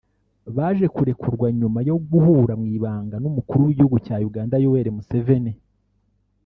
Baje kurekurwa nyuma yo guhura mu ibanga n’umukuru w’igihugu cya Uganda Yoweri Museveni